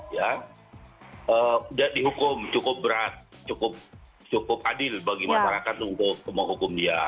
ya tidak dihukum cukup berat cukup adil bagi masyarakat untuk menghukum dia